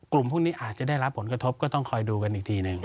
กลุ่มพวกนี้อาจจะได้รับผลกระทบก็ต้องคอยดูกันอีกทีหนึ่ง